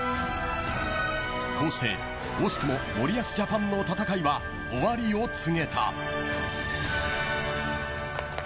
こうして惜しくも森保ジャパンの戦いは終わりを告げた。